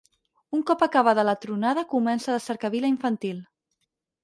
Un cop acabada la tronada comença la cercavila infantil.